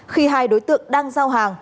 khi hai đối tượng đang giao hàng